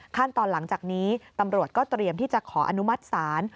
ขั้นตอนหลังจากนี้ตำรวจก็เตรียมที่จะขออนุมัติศาล